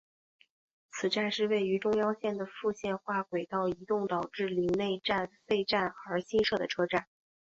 此站是位于中央线的复线化轨道移动导致陵内站废站而新设的车站。